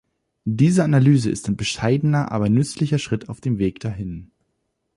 Diese Analyse ist ein bescheidener, aber nützlicher Schritt auf dem Weg dahin.